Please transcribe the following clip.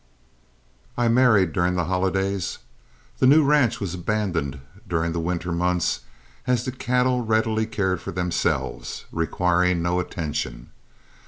I married during the holidays. The new ranch was abandoned during the winter months, as the cattle readily cared for themselves, requiring no attention.